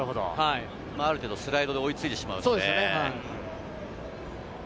ある程度スライドで追いついてしまうというね。